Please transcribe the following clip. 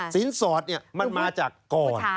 ศีลสอดเนี่ยมันมาจากก่อน